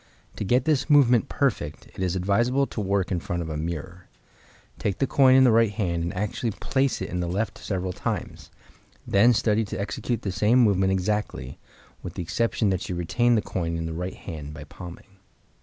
To get this movement perfect, it is advisable to work in front of a mirror. Take the coin in the right hand and actually place it in the left several times; then study to execute the same movement exactly, with the exception that you retain the coin in the right hand by palming.